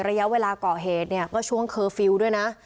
ระยะเวลาก่อเหตุเนี่ยก็ช่วงเคอร์ฟิลล์ด้วยนะ